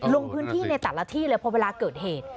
ลงพื้นที่ในแต่ละที่เลยพอเวลาเกิดเหตุ